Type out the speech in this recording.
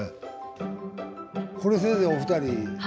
これ先生お二人。